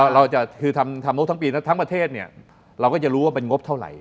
เราจะคือทำงบทั้งปีทั้งประเทศเนี่ยเราก็จะรู้ว่าเป็นงบเท่าไหร่